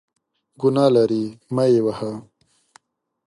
ګناه لري ، مه یې وهه !